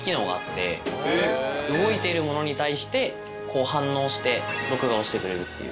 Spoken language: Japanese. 動いているものに対して反応して録画をしてくれるっていう。